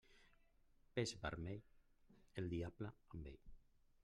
Peix vermell, el diable amb ell.